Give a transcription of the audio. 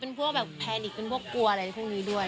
เป็นพวกแบบแพนิกเป็นพวกกลัวอะไรพวกนี้ด้วย